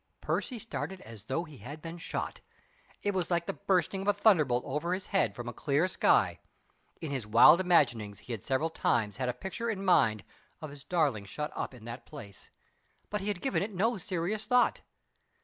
Percy started as though he had been shot. It was like the bursting of a thunderbolt over his head from a clear sky. In his wild imaginings he had several times had a picture in mind of his darling shut up in that place; but he had given it no serious thought.